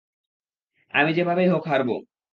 আমি যেভাবেই হোক হারবো।